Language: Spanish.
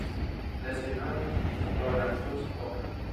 Lesionado, entró a la Cruz Roja.